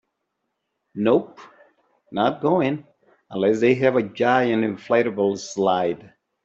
Nope, not going unless they have a giant inflatable slide.